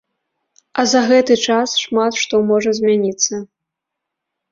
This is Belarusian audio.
А за гэты час шмат што можа змяніцца.